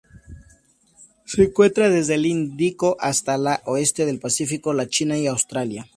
Se encuentra desde el Índico hasta el oeste del Pacífico, la China y Australia.